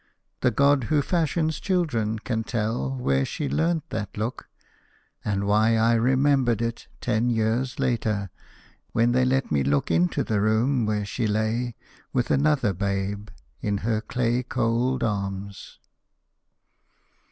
The God who fashions children can tell where she learnt that look, and why I remembered it ten years later, when they let me look into the room where she lay with another babe in her clay cold arms.